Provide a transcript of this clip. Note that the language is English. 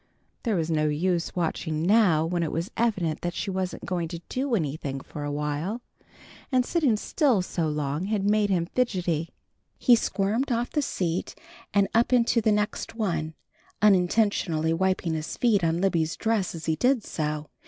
There was no use watching now when it was evident that she wasn't going to do anything for awhile, and sitting still so long had made him fidgety. He squirmed off the seat, and up into the next one, unintentionally wiping his feet on Libby's dress as he did so.